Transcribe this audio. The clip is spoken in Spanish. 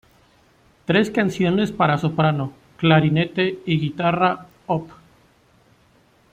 Tres canciones para soprano, clarinete y guitarra Op.